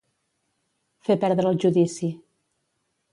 Fer perdre el judici.